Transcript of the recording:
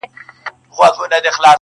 نور پر کمبله راته مه ږغوه؛